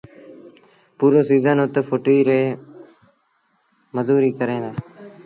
پورو سيٚزن اُت ڦُٽيٚ ريٚ مزوريٚ ڪريݩ دآ.